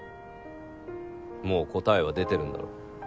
もう答えは出てるんだろ。